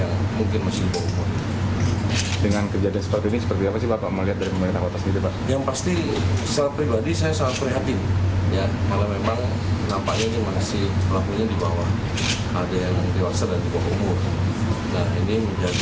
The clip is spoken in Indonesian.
akan kami ambil langkah langkah yang paling tidak